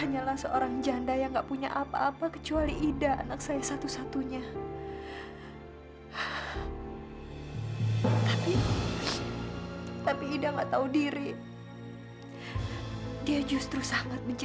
ya mah sekarang tuh nggak ada lagi muhrah muhri muhrah muhri